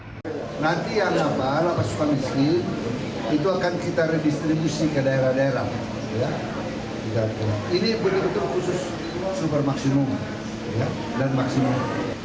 tapi itu khusus super maksimum dan maksimum